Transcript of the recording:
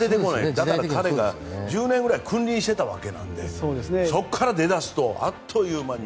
だから彼が１０年ぐらい君臨していたわけなのでそこから出だすとあっという間に。